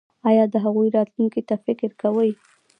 ایا د هغوی راتلونکي ته فکر کوئ؟